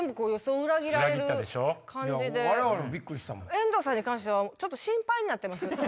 遠藤さんに関してはちょっと心配になってます。